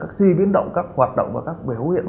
các di biến động các hoạt động và các biểu hiện